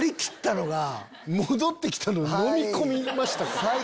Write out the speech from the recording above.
戻って来たのを飲み込みましたから。